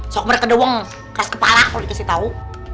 sok merdeka doang keras kepala kalo dikasih tau